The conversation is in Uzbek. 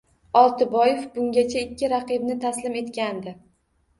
Oltiboyev bungacha ikki raqibni taslim etgandi